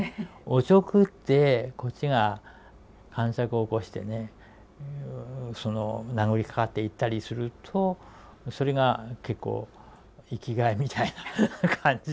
おちょくってこっちが癇癪を起こしてねその殴りかかっていったりするとそれが結構生きがいみたいな感じ。